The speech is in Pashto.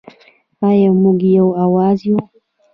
آیا موږ یو اواز یو؟